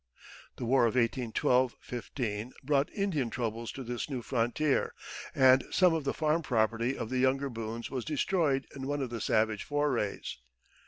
The War of 1812 15 brought Indian troubles to this new frontier, and some of the farm property of the younger Boones was destroyed in one of the savage forays.